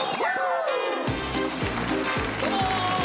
どうも！